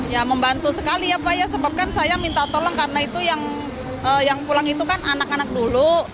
ya membantu sekali ya pak ya sebabkan saya minta tolong karena itu yang pulang itu kan anak anak dulu